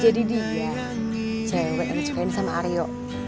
jadi dia cewek yang dicukain sama aryo